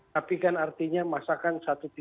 tapi kan artinya masakan satu ratus tiga puluh tiga